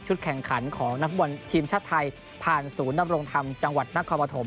แข่งขันของนักฟุตบอลทีมชาติไทยผ่านศูนย์ดำรงธรรมจังหวัดนครปฐม